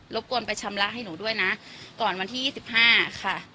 กวนไปชำระให้หนูด้วยนะก่อนวันที่๒๕ค่ะ